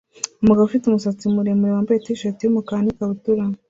Umugabo ufite umusatsi muremure wambaye t-shati yumukara n ikabutura